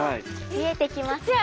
見えてきますね。